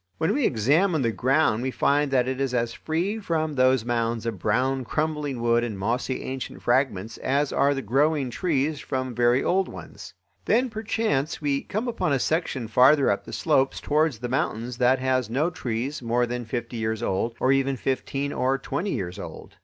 When we examine the ground we find that it is as free from those mounds of brown crumbling wood and mossy ancient fragments as are the growing trees from very old ones. Then perchance, we come upon a section farther up the slopes towards the mountains that has no trees more than fifty years old, or even fifteen or twenty years old.